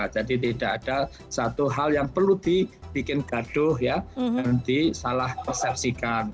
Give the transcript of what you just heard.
jadi tidak ada satu hal yang perlu dibikin gaduh ya dan disalah persepsikan